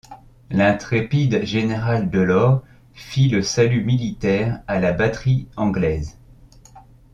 L’intrépide général Delord fit le salut militaire à la batterie anglaise.